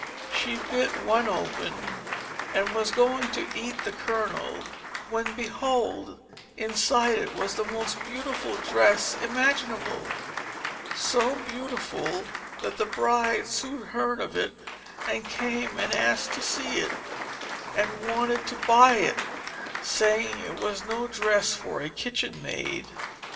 She bit one open, and was going to eat the kernel, when, behold, inside it was the most beautiful dress imaginable so beautiful that the bride soon heard of it, came and asked to see it, and wanted to buy it, saying it was no dress for a kitchen maid.